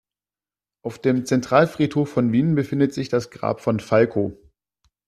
Auf dem Zentralfriedhof von Wien befindet sich das Grab von Falco.